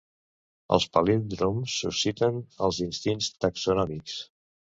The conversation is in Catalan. Els palíndroms susciten els instints taxonòmics.